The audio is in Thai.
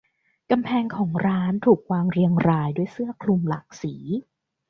กำแพงของร้านถูกวางเรียงรายด้วยเสื้อคลุมหลากสี